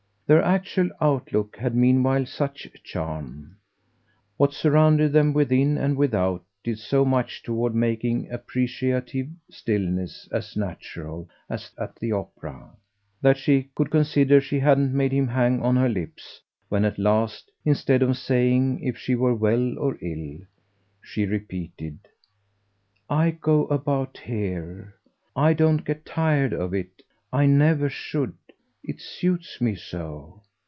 Their actual outlook had meanwhile such charm, what surrounded them within and without did so much toward making appreciative stillness as natural as at the opera, that she could consider she hadn't made him hang on her lips when at last, instead of saying if she were well or ill, she repeated: "I go about here. I don't get tired of it. I never should it suits me so.